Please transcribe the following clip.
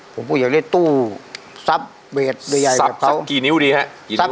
ผมอยากได้ตู้ซับเวทใหญ่แบบเขาซับสักกี่นิ้วดีครับ